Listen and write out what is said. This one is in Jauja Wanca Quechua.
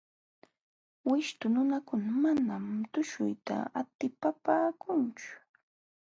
Wishtu nunakuna manam tuśhuyta atipapaakunchu.